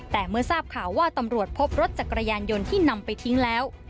แต่เมื่อทราบข่าวว่าตำรวจพบรถจักรยานยนต์ที่นำไปทิ้งแล้ว